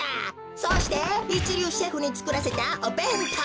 そしていちりゅうシェフにつくらせたおべんとう。